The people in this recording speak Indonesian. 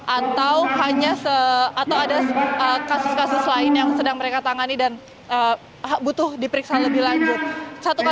atau hanya atau ada kasus kasus lain yang sedang mereka tangani dan butuh diperiksa lebih lanjut